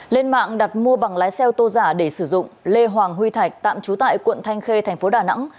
lên mạng đặt mua bằng lái xe ô tô giả để sử dụng lê hoàng huy thạch tạm trú tại quận thanh khê thành phố đà nẵng